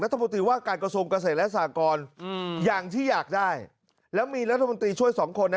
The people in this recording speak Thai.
รัฐมนตรีว่าการกระทรวงเกษตรและสากรอืมอย่างที่อยากได้แล้วมีรัฐมนตรีช่วยสองคนนะ